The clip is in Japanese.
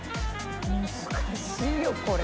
難しいよこれ。